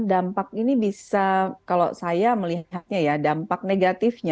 dampak ini bisa kalau saya melihatnya ya dampak negatifnya